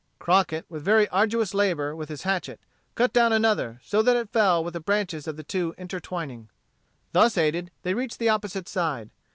Crockett, with very arduous labor with his hatchet, cut down another, so that it fell with the branches of the two intertwining. Thus aided they reached the opposite side.